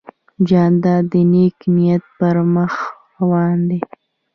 جانداد د نیک نیت پر مخ روان دی.